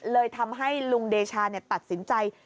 เลยทำให้ลุงเดชาตัดสินใจ